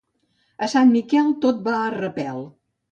A Sant Miquel tot va a repel.